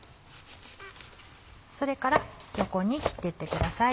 それから横に切ってってください。